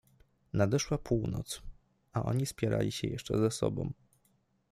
Nadeszła północ, a oni spierali się jeszcze z sobą.